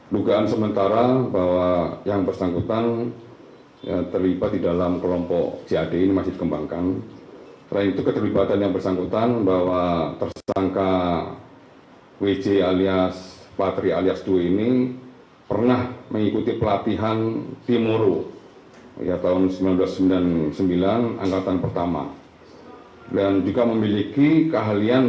lugaan sementara bahwa yang bersangkutan terlibat di dalam kelompok jad ini masih dikembangkan